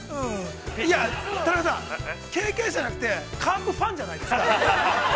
◆いや、田中さん、経験者じゃなくてカープファンじゃないですか。